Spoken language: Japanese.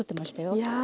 いや。